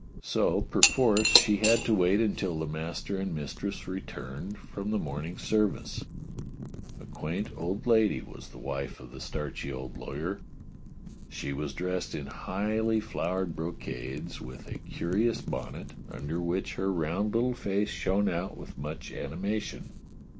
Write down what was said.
So perforce she had to wait until the master and mistress returned from the morning service. A quaint old lady was the wife of the starchy old law^^er. She was dressed in highly flowered brocades, with a curious bonnet, under which her round little face shone out with much animation.